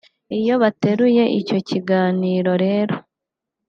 Iyo bateruye icyo kiganiro rero